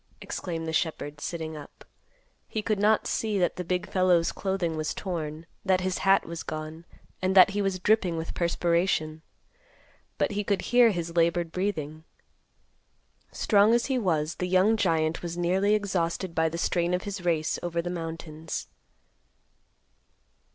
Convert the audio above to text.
exclaimed the shepherd, sitting up. He could not see that the big fellow's clothing was torn, that his hat was gone, and that he was dripping with perspiration; but he could hear his labored breathing. Strong as he was, the young giant was nearly exhausted by the strain of his race over the mountains.